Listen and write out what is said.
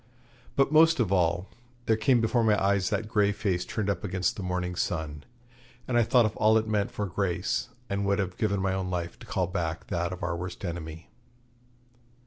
But, most of all, there came before my eyes that grey face turned up against the morning sun, and I thought of all it meant for Grace, and would have given my own life to call back that of our worst enemy.